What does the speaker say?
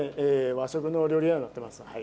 和食の料理屋になってます。